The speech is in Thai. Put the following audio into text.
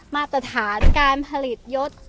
มาตรฐานการผลิตยศ